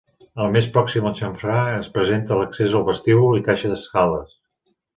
Al més pròxim al xamfrà es presenta l'accés al vestíbul i caixa d'escales.